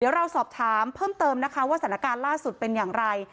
เดี๋ยวเราสอบถามเพิ่มเติมนะคะว่าสถานการณ์ล่าสุดเป็นอย่างไร